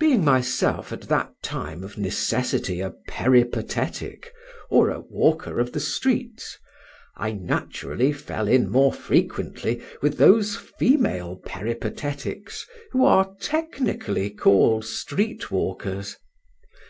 Being myself at that time of necessity a peripatetic, or a walker of the streets, I naturally fell in more frequently with those female peripatetics who are technically called street walkers.